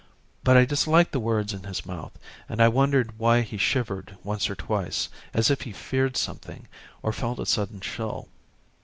But I disliked the words in his mouth and I wondered why he shivered once or twice as if he feared something or felt a sudden chill.